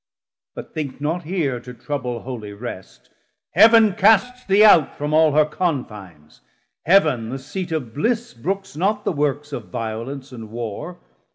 But think not here To trouble Holy Rest; Heav'n casts thee out From all her Confines. Heav'n the seat of bliss Brooks not the works of violence and Warr.